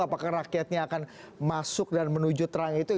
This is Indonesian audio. apakah rakyatnya akan masuk dan menuju terang itu